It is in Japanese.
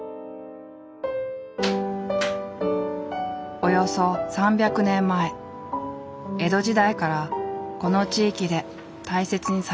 およそ３００年前江戸時代からこの地域で大切にされてきたという。